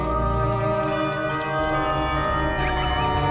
kalau di warga itu